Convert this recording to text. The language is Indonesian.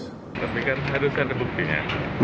tapi kan harus ada buktinya